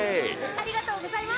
ありがとうございます！